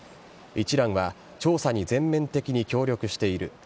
一蘭は、調査に全面的に協力している。